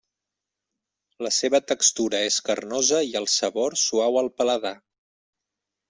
La seva textura és carnosa i el sabor suau al paladar.